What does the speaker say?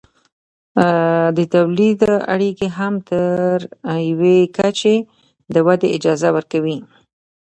د تولید اړیکې هم تر یوې کچې د ودې اجازه ورکوي.